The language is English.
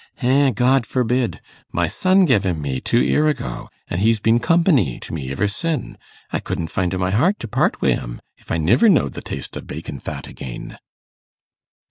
'Eh, God forbid! My son gev him me two 'ear ago, an' he's been company to me iver sin'. I couldn't find i' my heart to part wi'm, if I niver knowed the taste o' bacon fat again.